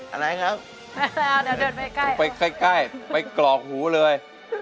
อันไหนครับไปใกล้ไปกรอกหูเลย